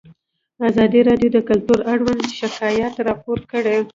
ازادي راډیو د کلتور اړوند شکایتونه راپور کړي.